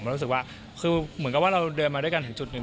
รู้สึกว่าคือเหมือนกับว่าเราเดินมาด้วยกันถึงจุดหนึ่ง